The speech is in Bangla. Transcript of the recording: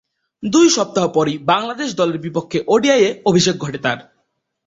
দুই সপ্তাহ পরই বাংলাদেশ দলের বিপক্ষে ওডিআইয়ে অভিষেক ঘটে তার।